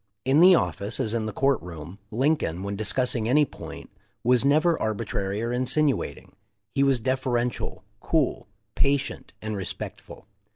In the office, as in the court room, Lincoln, when discussing any point, was never arbitrary or insinuating. He was deferential, cool, patient, and respectful.